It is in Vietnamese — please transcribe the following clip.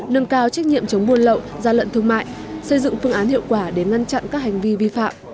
nâng cao trách nhiệm chống buôn lậu gian lận thương mại xây dựng phương án hiệu quả để ngăn chặn các hành vi vi phạm